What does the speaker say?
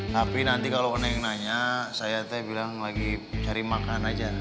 tapi nanti kalau enek nanya saya bilang lagi cari makan aja